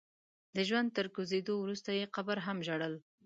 د ژوند تر کوزېدو وروسته يې قبر هم ژړل.